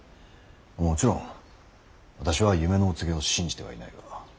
もちろん私は夢のお告げを信じてはいないが。